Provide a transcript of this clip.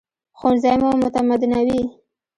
ښوونځی مو متمدنوي